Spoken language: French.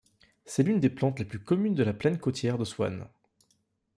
C'est l'une des plantes les plus communes de la plaine côtière de Swan.